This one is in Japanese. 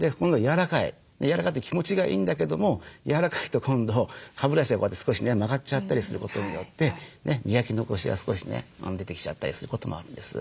柔らかいって気持ちがいいんだけども柔らかいと今度歯ブラシでこうやって少しね曲がっちゃったりすることによって磨き残しが少しね出てきちゃったりすることもあるんです。